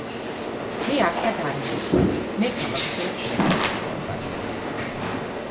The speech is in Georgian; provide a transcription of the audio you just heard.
მე არსად არ მივდივარ, მე გავაგრძელებ მეთვალყურეობას.